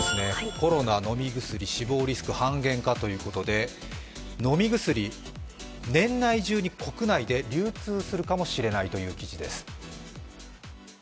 コロナ飲み薬、死亡リスク半減か？ということで、飲み薬、年内中に国内で流通するかもしれないという記事です。